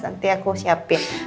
nanti aku siapin